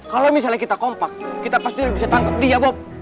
kalau misalnya kita kompak kita pasti bisa tangkep dia bob